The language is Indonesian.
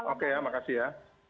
oke ya terima kasih ya